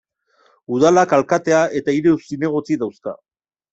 Udalak alkatea eta hiru zinegotzi dauzka.